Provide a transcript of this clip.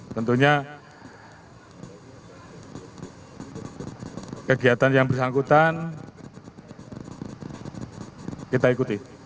tentunya kegiatan yang bersangkutan kita ikuti